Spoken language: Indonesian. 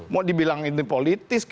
mau dibilang ini politis